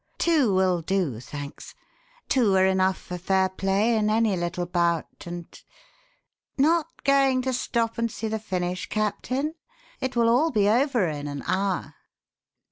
"Two will do, thanks. Two are enough for fair play in any little bout and not going to stop and see the finish, Captain? It will all be over in an hour."